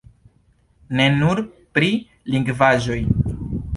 Ne nur pri lingvaĵoj.